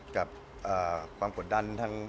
กับความปวดดันทั้ง